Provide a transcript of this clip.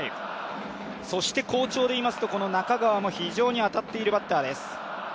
そして好調でいいますとこの中川も非常に当たっているバッターです。